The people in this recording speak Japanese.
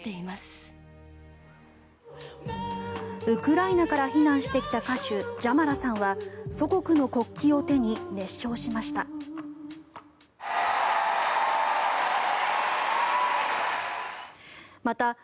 ウクライナから避難してきた歌手、ジャマラさんは祖国の国旗を手に熱唱しました。